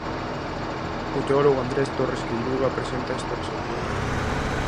O teólogo Andrés Torres Queiruga presenta este seu novo libro.